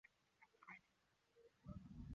三药细笔兰为兰科小唇兰属下的一个种。